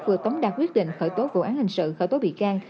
vừa tống đạt quyết định khởi tố vụ án hình sự khởi tố bị can